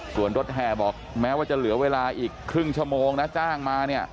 ส่วนรถแห่บอกแม้ว่าจะเหลือเวลาอีกครึ่งชั่วโมงนะจ้างมาเนี่ย